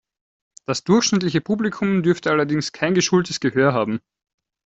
Das durchschnittliche Publikum dürfte allerdings kein geschultes Gehör haben.